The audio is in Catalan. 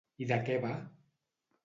I de què va?